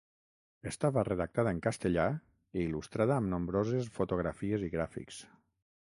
Estava redactada en castellà i il·lustrada amb nombroses fotografies i gràfics.